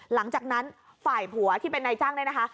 หลังจากนั้นฝ่ายผัวที่เป็นนายจ้างเนี่ยนะคะ